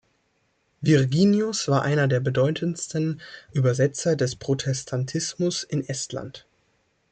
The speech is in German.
Virginius war einer der bedeutendsten Übersetzer des Protestantismus in Estland.